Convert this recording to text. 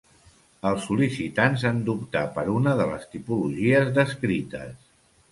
Els sol·licitants han d'optar per una de les tipologies descrites.